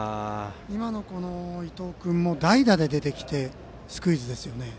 今の伊藤君も代打で出てきてスクイズですよね。